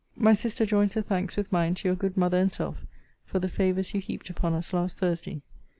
My sister joins her thanks with mine to your good mother and self, for the favours you heaped upon us last Thursday.